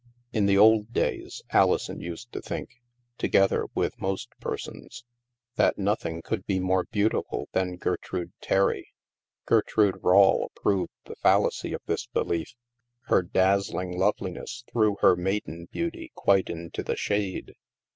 In the old days, Alison used to think (together with most persons) that nothing could be more beau tiful that Gertrude Terry. Gertrude Rawle proved the fallacy of this belief; her dazzling loveliness 220 THE MASK threw her maiden beauty quite into the shade.